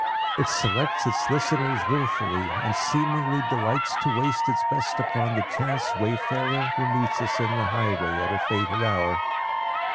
It selects its listeners willfully, and seemingly delights to waste its best upon the chance wayfarer who meets us in the highway at a fated hour.